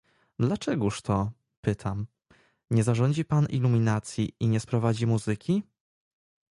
„Dlaczegóż to — pytam — nie zarządzi pan iluminacji i nie sprowadzi muzyki?”.